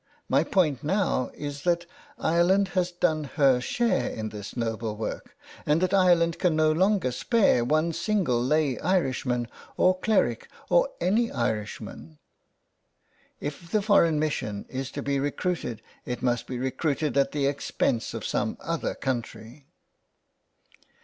My point now is that Ireland has done her share in this noble work, and that Ireland can no longer spare one single lay Irishman or cleric or any Irishwoman. If the foreign mission is to be recruited it must be recruited at the expense of some other country."